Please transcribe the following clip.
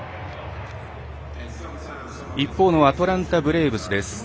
一方のアトランタ・ブレーブス。